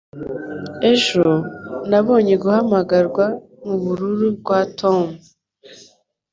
Ejo, nabonye guhamagarwa mubururu kwa Tom.